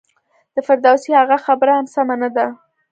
د فردوسي هغه خبره هم سمه نه ده.